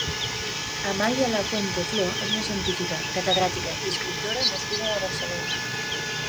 Amàlia Lafuente Flo és una científica, catedràtica i escriptora nascuda a Barcelona.